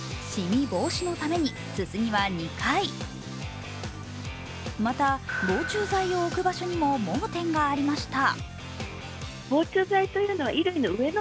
しみ防止のために、すすぎは２回、また、防虫剤を置く場所にも盲点がありました。